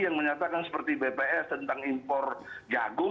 yang menyatakan seperti bps tentang impor jagung